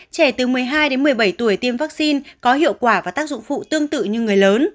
trẻ từ một mươi hai đến một mươi bảy tuổi tiêm vaccine có hiệu quả và tác dụng phụ tương tự như người lớn